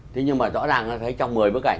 thế nhưng mà rõ ràng nó thấy trong một mươi bức ảnh